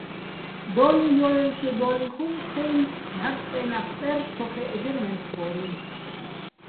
დო́ლი ჲო́ლჲელჩედო́ლიჼ ხუმ, თაჲნი̆, ნჵაპ სტე́ნახ წე́რ ცო ხე́ჸე́რ მემცხო́რინ.